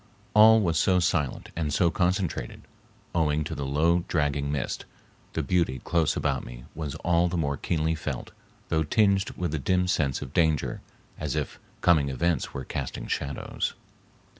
All was so silent and so concentred, owing to the low dragging mist, the beauty close about me was all the more keenly felt, though tinged with a dim sense of danger, as if coming events were casting shadows.